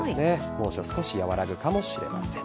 猛暑は少し和らぐかもしれません。